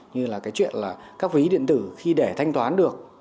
như là các ví điện tử khi để thanh toán được